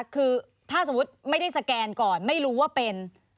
คือถ้าสมมุติไม่ได้สแกนก่อนไม่รู้ว่าเป็น